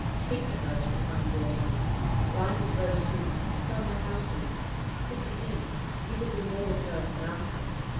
Speak to her, as the time draws on. Life is very sweet,—tell her how sweet. Speak to him; he will do more with her than thou canst.